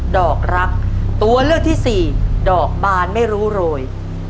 ดอกรักตัวเลือกที่สี่ดอกบานไม่รู้โรย